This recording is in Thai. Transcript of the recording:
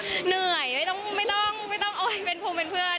เหนื่อยไม่ต้องไม่ต้องเอาให้เป็นภูมิเป็นเพื่อน